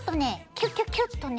キュッキュッキュッとね